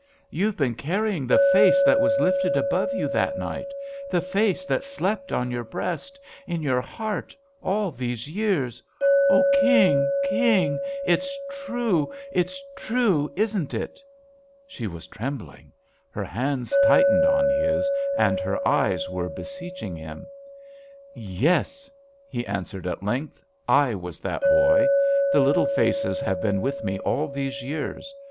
You've been carrying the face that was lifted above you that night — the face that slept on your breast — in your heart, all these years ? Oh, King I King I it's true ! it's true I — isn't it?" She was trembling. Her hands tightened on his and her eyes were be seeching him. "Yes," he answered, at length. "I was that boy. The little faces have been with me all these years.